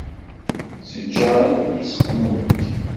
Teǧǧa allen-is qqnent.